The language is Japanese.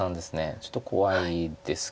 ちょっと怖いですけど。